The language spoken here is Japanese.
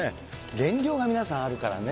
減量が皆さん、あるからね。